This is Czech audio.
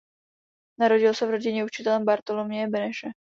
Narodil se v rodině učitele Bartoloměje Beneše.